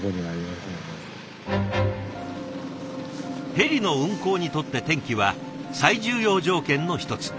ヘリの運航にとって天気は最重要条件の一つ。